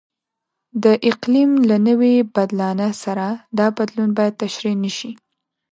د اقلیم له نوي بدلانه سره دا بدلون باید تشریح نشي.